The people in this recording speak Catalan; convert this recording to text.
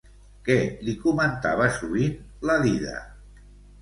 Què li comentava sovint la dida?